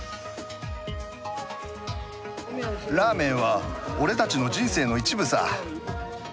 ラーメンは俺たちの人生の一部さ。